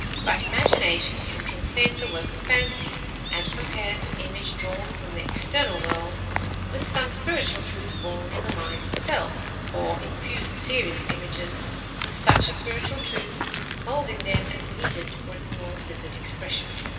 But imagination can transcend the work of fancy, and compare an image drawn from the external world with some spiritual truth born in the mind itself, or infuse a series of images with such a spiritual truth, molding them as needed for its more vivid expression.